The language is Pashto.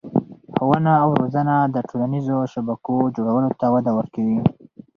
ښوونه او روزنه د ټولنیزو شبکو جوړولو ته وده ورکوي.